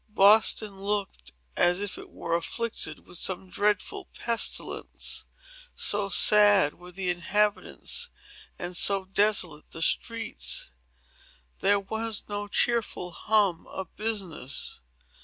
Boston looked as if it were afflicted with some dreadful pestilence,—so sad were the inhabitants, and so desolate the streets. There was no cheerful hum of business.